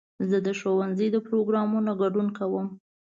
زه د ښوونځي د پروګرامونو ګډون کوم.